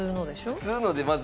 普通のでまず。